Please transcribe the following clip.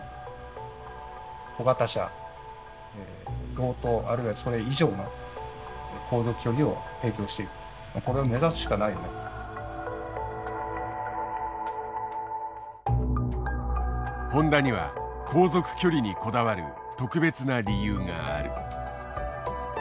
言い訳なしでホンダには航続距離にこだわる特別な理由がある。